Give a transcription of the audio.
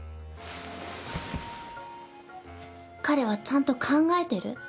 彼はちゃんと考えてる？